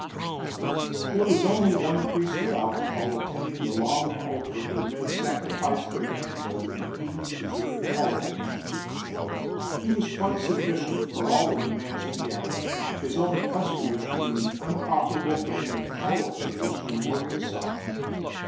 There was only one priest of alcohol attending the long altar where men sacrificed their manhood in Peden's deserted hall that morning. He was quite sufficient for all the demands of the hour, his only customers being the unprofitable gang of cattle herders whom Morgan sought.